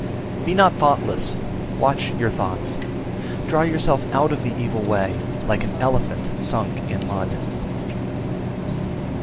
327. Be not thoughtless, watch your thoughts! Draw yourself out of the evil way, like an elephant sunk in mud.